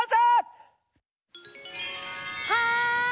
はい！